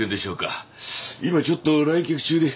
今ちょっと来客中で。